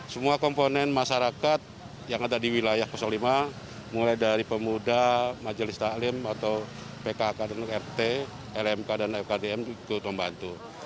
semua komponen masyarakat yang ada di wilayah lima mulai dari pemuda majelis taklim atau pkk dan rt lmk dan fkdm ikut membantu